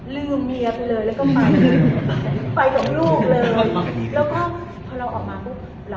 ลืมเมียไปกลัวไปกับลูกเลย